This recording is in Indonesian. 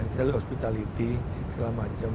kita lakukan hospitality segala macam